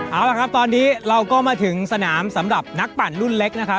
เอาละครับตอนนี้เราก็มาถึงสนามสำหรับนักปั่นรุ่นเล็กนะครับ